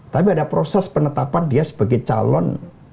tapi ada proses penetapan dia sebagai calon